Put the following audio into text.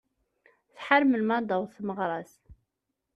Tḥar melmi ara d-taweḍ tmeɣra-s.